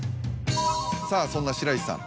さぁそんな白石さん